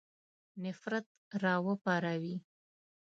نفرت را وپاروي.